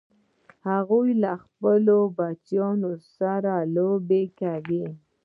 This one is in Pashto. هغوی له خپلو بچو سره لوبې کوي